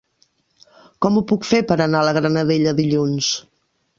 Com ho puc fer per anar a la Granadella dilluns?